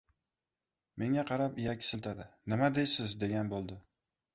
Menga qarab iyak siltadi — nima deysiz, degan bo‘ldi.